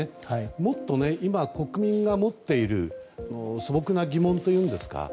もっと今、国民が持っている素朴な疑問というんですか